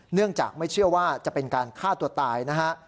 เนื่องจากไม่เชื่อว่าจะเป็นการฆ่าตัวตายนะฮะ